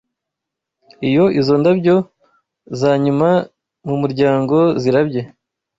Iyo izo ndabyo "zanyuma mumuryango zirabye"